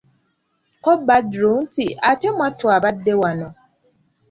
Ko Badru nti:"ate mwattu abadde wano"